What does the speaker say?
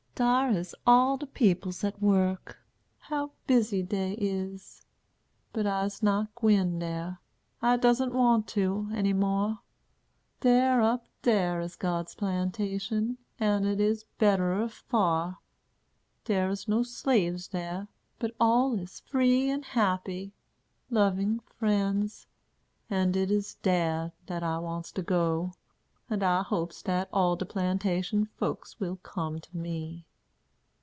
Dar is all de peoples at work. How busy dey is! But I'se not gwine dar. I doesn't want to, any more. Dere up dar is God's plantation, and it is betterer far. Dere is no slaves dar, but all is free and happy, loving friends; and it is dar dat I wants to go; and I hopes dat all de plantation folks will come to me."